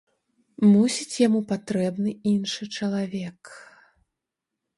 Мусіць, яму патрэбны іншы чалавек.